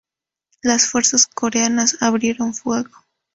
Las fuerzas coreanas abrieron fuego.